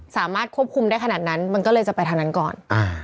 สามารถควบคุมได้ขนาดนั้นมันก็เลยจะไปทางนั้นก่อน